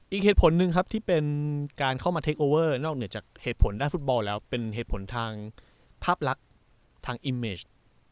อีกเหตุผลหนึ่งครับที่เป็นการเข้ามาเทคโอเวอร์นอกเหนือจากเหตุผลด้านฟุตบอลแล้วเป็นเหตุผลทางภาพลักษณ์ทางอิมเมจ